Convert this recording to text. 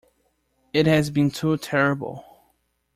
It has been too terrible.